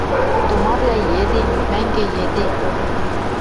Томавлӓ йӹде, мӓнгӹ йӹде